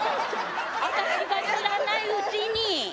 あたしが知らないうちに！